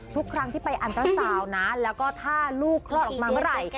ทุกครั้งที่ไปอันตราสาวนะแล้วก็ถ้าลูกคลอดออกมาเมื่อไหร่